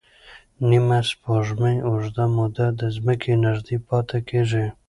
نیمه سپوږمۍ اوږده موده د ځمکې نږدې پاتې کېږي.